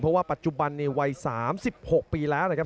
เพราะว่าปัจจุบันในวัย๓๖ปีแล้วนะครับ